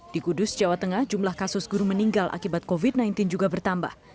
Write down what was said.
di kudus jawa tengah jumlah kasus guru meninggal akibat covid sembilan belas juga bertambah